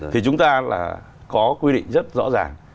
thì chúng ta là có quy định rất rõ ràng